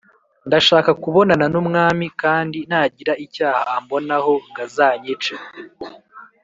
Ndashaka kubonana n umwami kandi nagira icyaha ambonaho g azanyice